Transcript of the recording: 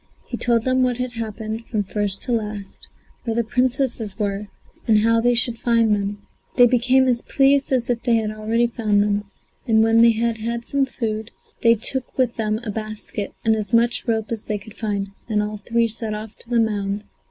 He told them what had happened from first to last, where the Princesses were and how they should find them. They became as pleased as if they had already found them, and when they had had some food, they took with them a basket and as much rope as they could find, and all three set off to the mound.